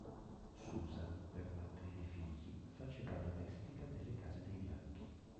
Susan, per mantenere i figli, faceva la domestica nelle case dei bianchi.